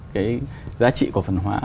cái giá trị của phần hóa